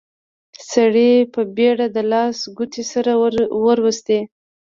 سړي په بيړه د لاس ګوتې سره وروستې.